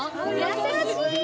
優しい！